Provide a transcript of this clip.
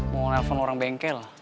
mau nelfon orang bengkel